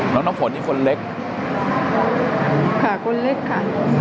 น้ำฝนนี่คนเล็กค่ะคนเล็กค่ะ